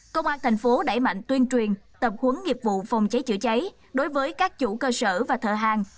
công an tp hcm đẩy mạnh tuyên truyền tập huấn nghiệp vụ phòng cháy chế cháy đối với các chủ cơ sở và thợ hàng